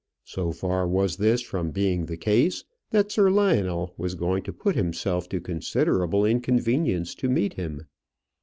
So far was this from being the case, that Sir Lionel was going to put himself to considerable inconvenience to meet him.